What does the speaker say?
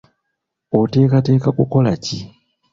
Oteekateeka kukola ki?